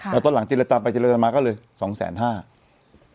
แต่ตอนหลังจิลตามไปจิลตามมาก็เลย๒๕๐๐๐๐๐บาท